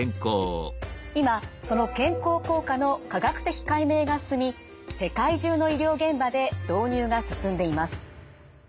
今その健康効果の科学的解明が進み世界中の医療現場で導入が進んでいます。